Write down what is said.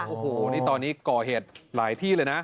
โอ้โหนี่ตอนนี้ก่อเหตุหลายที่เลยนะ